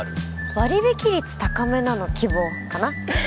割引率高めなの希望かな